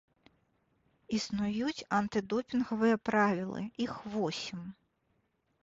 Існуюць антыдопінгавыя правілы, іх восем.